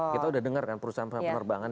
kita sudah dengar kan perusahaan penerbangan